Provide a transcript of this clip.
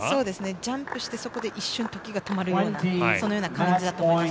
ジャンプして、一瞬時がとまるようなそのような感じだと思います